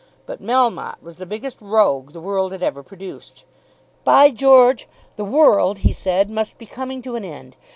But Melmotte was the biggest rogue the world had ever produced. "By George! the world," he said, "must be coming to an end.